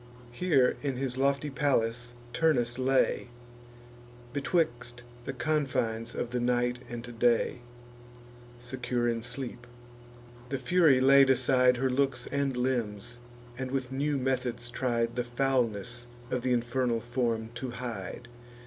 Here, in his lofty palace, Turnus lay, Betwixt the confines of the night and day, Secure in sleep. The Fury laid aside Her looks and limbs, and with new methods tried The foulness of th' infernal form to hide.